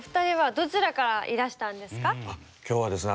今日はですね